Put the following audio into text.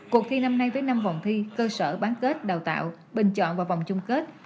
cuộc thi năm nay với năm vòng thi cơ sở bán kết đào tạo bình chọn vào vòng chung kết